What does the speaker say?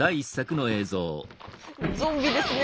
ゾンビですねえ。